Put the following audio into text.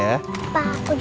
kalau ada recitala jadi bi